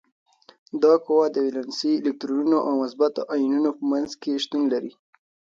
دا قوه د ولانسي الکترونونو او مثبتو ایونونو په منځ کې شتون لري.